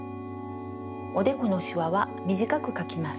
おでこのしわはみじかくかきます。